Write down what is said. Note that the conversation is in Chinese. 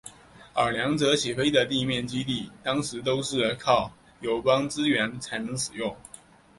而两者起飞的地面基地当时都是靠友邦支援才能使用。